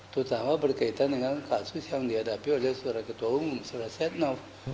terutama berkaitan dengan kasus yang dihadapi oleh surat ketua umum surat setnaf